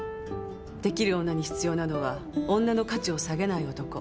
できる女に必要なのは女の価値を下げない男。